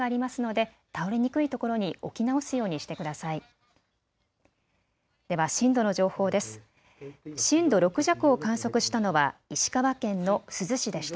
では震度の情報です。